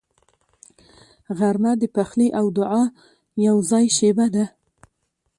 غرمه د پخلي او دعا یوځای شیبه ده